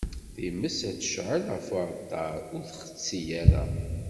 Times ad tecɛel ɣef uɛalṭar, ur txetti ara.